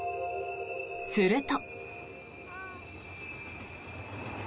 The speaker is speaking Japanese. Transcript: すると。